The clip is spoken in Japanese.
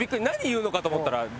何言うのかと思ったら。